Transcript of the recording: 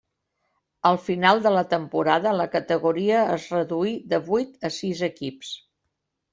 Al final de la temporada la categoria es reduí de vuit a sis equips.